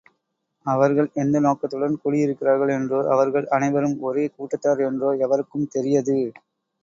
அவர்கள் எந்த நோக்கத்துடன் கூடியிருக்கிறார்கள் என்றோ அவர்கள் அனைவரும் ஒரே கூட்டத்தார் என்றோ எவருக்கும் தெரியது.